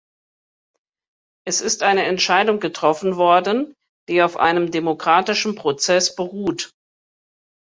Es ist eine Entscheidung getroffen worden, die auf einem demokratischen Prozess beruht.